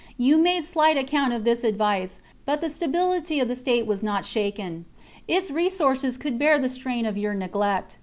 You made slight account of this advice, but the stability of the state was not shaken ; its resources could bear the strain of your neglect.